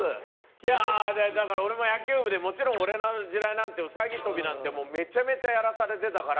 いやぁ、だから俺も野球部でもちろん、俺の時代なんてうさぎ跳びなんて、もうめちゃめちゃやらされてたから。